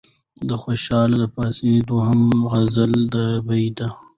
د خوشال د پاسني دويم غزل دا بيت